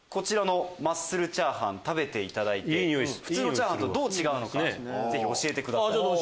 マッスルチャーハン食べていただいて普通のチャーハンとどう違うのかぜひ教えてください。